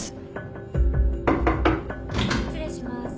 ・失礼します。